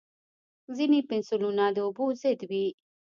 ځینې پنسلونه د اوبو ضد وي.